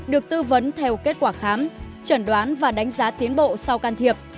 được tư vấn theo kết quả khám trần đoán và đánh giá tiến bộ sau can thiệp